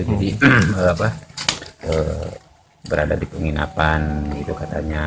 berada di penginapan gitu katanya